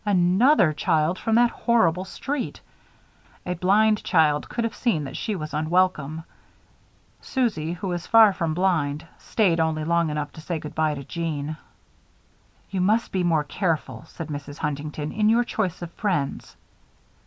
Another child from that horrible street! A blind child could have seen that she was unwelcome. Susie, who was far from blind, stayed only long enough to say good by to Jeanne. "You must be more careful," said Mrs. Huntington, "in your choice of friends."